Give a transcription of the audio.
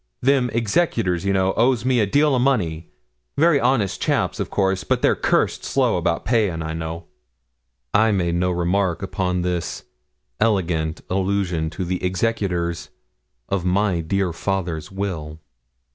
Them executors, you know, owes me a deal o' money. Very honest chaps, of course; but they're cursed slow about paying, I know.' I made no remark upon this elegant allusion to the executors of my dear father's will.